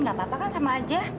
tidak apa apa kan sama saja